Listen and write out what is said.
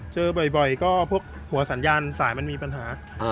เจอบ่อยก็พวกหัวสัญญาณสายมันมีปัญหา